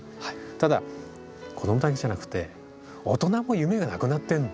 ただ子供だけじゃなくて大人も夢がなくなってんの。